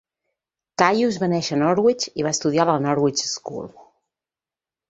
Caius va néixer a Norwich i va estudiar a la Norwich School.